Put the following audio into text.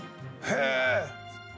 へえ！